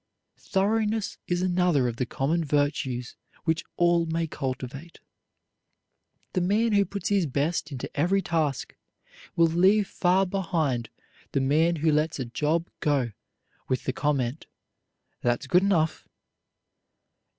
Thoroughness is another of the common virtues which all may cultivate. The man who puts his best into every task will leave far behind the man who lets a job go with the comment "That's good enough."